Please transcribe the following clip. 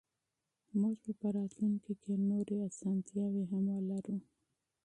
موږ به په راتلونکي کې نورې اسانتیاوې هم ولرو.